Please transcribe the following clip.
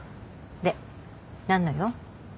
で何の用？